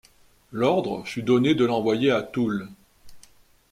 L'ordre fut donné de l'envoyer à Toul.